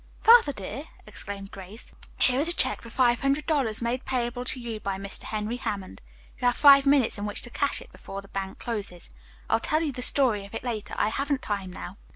"Father, dear," exclaimed Grace. "Here is a check for five hundred dollars, made payable to you by Mr. Henry Hammond. You have five minutes in which to cash it, before the bank closes. I'll tell you the story of it later. I haven't time now."